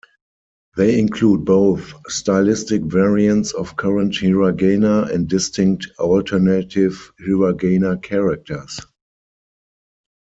They include both stylistic variants of current hiragana and distinct alternative hiragana characters.